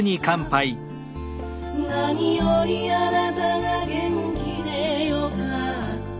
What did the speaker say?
「なによりあなたが元気でよかった」